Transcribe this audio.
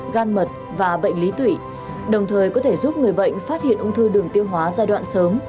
gan mật và bệnh lý tụy đồng thời có thể giúp người bệnh phát hiện ung thư đường tiêu hóa giai đoạn sớm